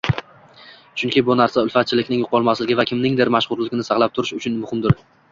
chunki bu narsa ulfatchilikning yo‘qolmasligi va kimningdir mashhurligini saqlab turish uchun muhimdir.